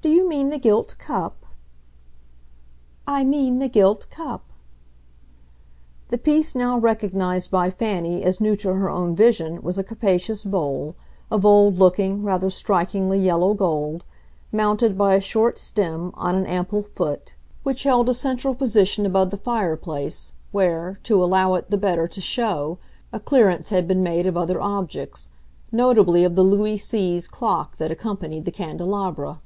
"Do you mean the gilt cup?" "I mean the gilt cup." The piece now recognised by Fanny as new to her own vision was a capacious bowl, of old looking, rather strikingly yellow gold, mounted, by a short stem, on an ample foot, which held a central position above the fire place, where, to allow it the better to show, a clearance had been made of other objects, notably of the Louis Seize clock that accompanied the candelabra.